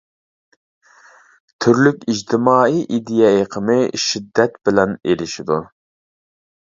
تۈرلۈك ئىجتىمائىي ئىدىيە ئېقىمى شىددەت بىلەن ئېلىشىدۇ.